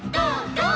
ゴー！」